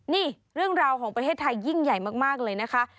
นี่เรื่องราวของประเทศไทยยิ่งใหญ่มากเลยนะคะ